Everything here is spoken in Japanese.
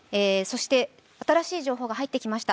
新しい情報が入ってきました。